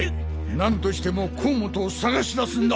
何としても甲本を捜し出すんだ！